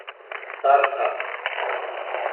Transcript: Tareqqaqt.